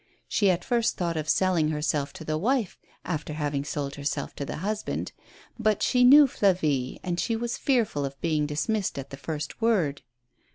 She at first thought of selling herself to the wife, after having sold herself to the husband. But she knew Flavie, and she was fearful of being dismissed at the first word.